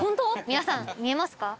皆さん見えますか？